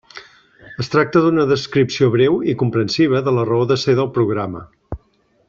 Es tracta d'una descripció breu i comprensiva de la raó de ser del programa.